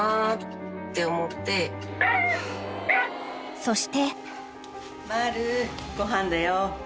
［そして］